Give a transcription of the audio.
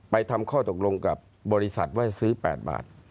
ทำข้อตกลงกับบริษัทว่าซื้อ๘บาท